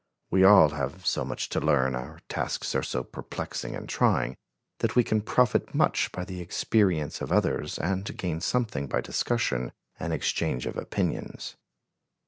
We all have so much to learn, our tasks are so perplexing and trying, that we can profit much by the experience of others and gain something by discussion and exchange of opinions.